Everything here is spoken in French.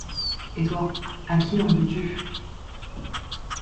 Et toi, à qui en veux-tu?